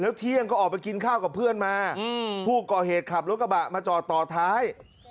เที่ยงก็ออกไปกินข้าวกับเพื่อนมาผู้ก่อเหตุขับรถกระบะมาจอดต่อท้าย